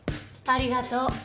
ありがとう。